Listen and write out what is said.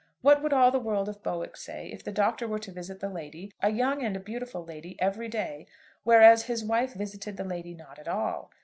What would all the world of Bowick say if the Doctor were to visit a lady, a young and a beautiful lady, every day, whereas his wife visited the lady not at all?